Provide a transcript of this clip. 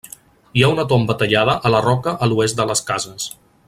Hi ha una tomba tallada a la roca a l’oest de les cases.